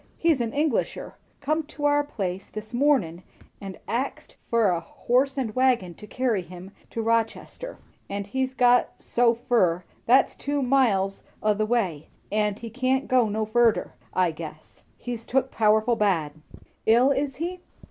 He's an Englisher come to our place this mornin' and axed fur a horse and wagon to carry him to Rochester; and he's got so fur, that's two miles o' the way, and he can't go no furder, I guess. He's took powerful bad." "Ill, is he?"